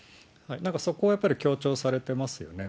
そこはやっぱり強調されてますよね。